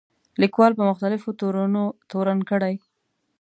لیکوال په مختلفو تورونو تورن کړي.